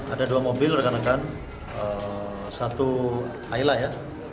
ada dua mobil rekan rekan satu aila ya